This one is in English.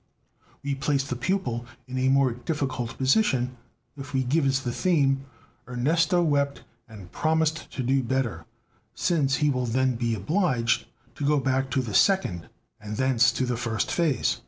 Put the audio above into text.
We place the pupil in a more difficult position if we give as the theme: 'Ernesto wept and promised to do better,' since he will then be obliged to go back to the second and thence to the first phase.